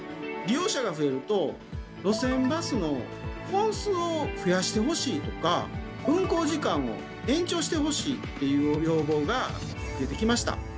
利用者が増えると路線バスの本数を増やしてほしいとか運行時間を延長してほしいっていう要望が増えてきました。